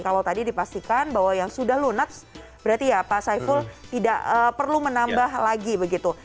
kalau tadi dipastikan bahwa yang sudah lunas berarti ya pak saiful tidak perlu menambah lagi begitu